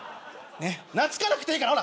懐かなくていいから。